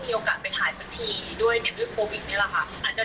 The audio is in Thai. ที่ดูหลักษณ์ภายในสนารกิจสีด้า